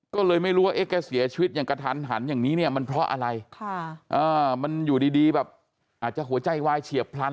ก็เลยไม่รู้ว่าแกเสียชีวิตอย่างกระทันหันอย่างนี้เนี่ยมันเพราะอะไรมันอยู่ดีแบบอาจจะหัวใจวายเฉียบพลัน